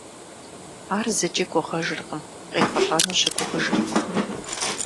Ар зыкӏи гугъэжыркъым, къехъулӀэну щыгугъыжыркъым.